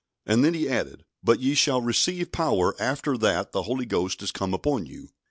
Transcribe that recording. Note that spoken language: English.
And then He added, "But ye shall receive power after that the Holy Ghost is come upon you."